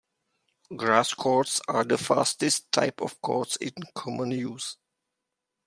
Grass courts are the fastest type of courts in common use.